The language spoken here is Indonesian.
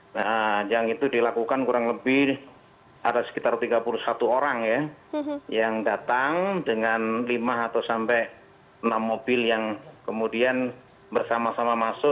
nah yang itu dilakukan kurang lebih ada sekitar tiga puluh satu orang ya yang datang dengan lima atau sampai enam mobil yang kemudian bersama sama masuk